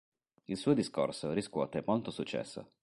Il suo discorso riscuote molto successo.